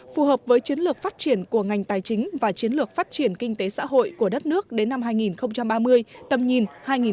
phù hợp với chiến lược phát triển của ngành tài chính và chiến lược phát triển kinh tế xã hội của đất nước đến năm hai nghìn ba mươi tầm nhìn hai nghìn bốn mươi năm